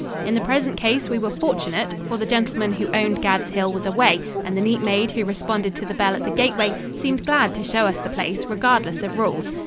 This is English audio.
In the present case we were fortunate, for the gentleman who owned Gad's Hill was away and the neat maid who responded to the bell at the gateway seemed glad to show us the place, regardless of rules.